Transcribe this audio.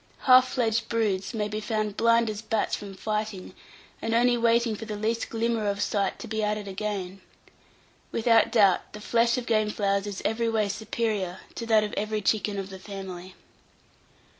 Half fledged broods may be found blind as bats from fighting, and only waiting for the least glimmer of sight to be at it again. Without doubt, the flesh of game fowls is every way superior to that of every chicken of the family.